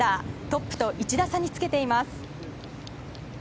トップと１打差につけています。